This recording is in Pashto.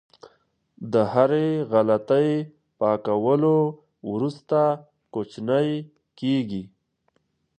د هرې غلطۍ پاکولو وروسته کوچنی کېږي.